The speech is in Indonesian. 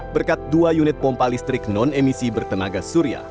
berkat dua unit pompa listrik non emisi bertenaga surya